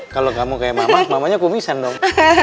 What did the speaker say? kalau kamu kayak mamanya kumisan dong